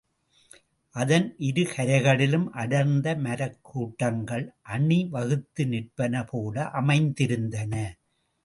அதன் இரு கரைகளிலும் அடர்ந்த மரக் கூட்டங்கள் அணிவகுத்து நிற்பனபோல அமைந்திருந்தன.